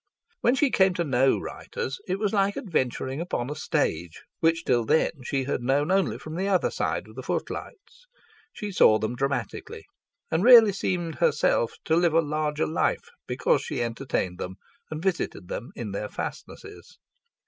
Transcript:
When she came to know writers it was like adventuring upon a stage which till then she had known only from the other side of the footlights. She saw them dramatically, and really seemed herself to live a larger life because she entertained them and visited them in their fastnesses.